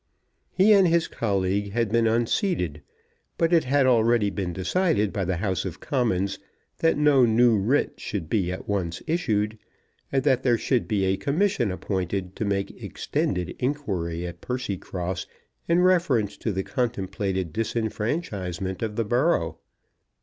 He and his colleague had been unseated, but it had already been decided by the House of Commons that no new writ should be at once issued, and that there should be a commission appointed to make extended inquiry at Percycross in reference to the contemplated disfranchisement of the borough.